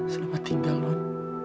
selamat tinggal non